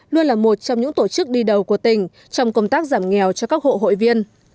luôn là một trong những tổ chức đi đầu của tỉnh trong công tác giảm nghèo cho các hộ hội viên